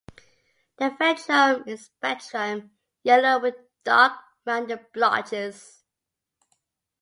The ventrum is spectrum yellow with dark, rounded blotches.